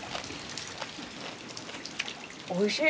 おいしい！